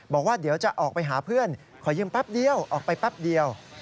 บอกว่าเดี๋ยวจะออกไปหาเพื่อนขอยืมแป๊บเดียวออกไปแป๊บเดียว